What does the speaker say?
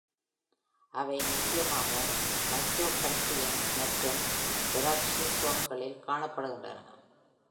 அவை முக்கியமாக மைட்டோகாண்ட்ரியன் மற்றும் பெராக்ஸிசோம்களில் காணப்படுகின்றன.